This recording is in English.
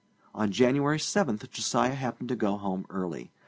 On January 7 Josiah happened to go home early.